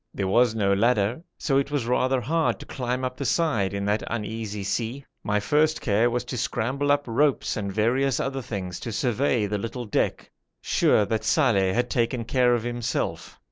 There was no ladder, so it was rather hard to climb up the side in that uneasy sea. My first care was to scramble up ropes and various other things to survey the little deck, sure that Saleh had taken care of himself.